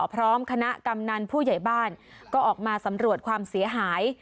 พร้อมคณะกำนันผู้ใหญ่บ้านก็ออกมาสำรวจความเสียหาย